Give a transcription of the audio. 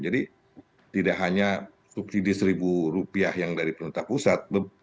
jadi tidak hanya subsidi seribu rupiah yang dari pemerintah pusat